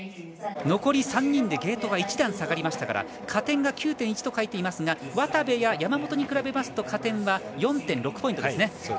残り３人でゲートが１段下がりましたから加点が９．１と書いてありますが渡部や山本と比べると加点は４．６ポイントですね。